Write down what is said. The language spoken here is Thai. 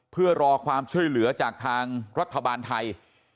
เพื่อรอความช่วยเหลือจากทางรัฐบาลไทย